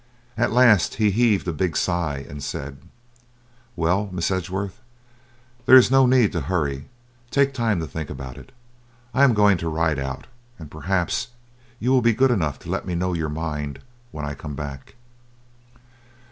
At last he heaved a big sigh, and said: "'Well, Miss Edgeworth, there is no need to hurry; take time to think about it. I am going to ride out, and perhaps you will be good enough to let me know your mind when I come back.'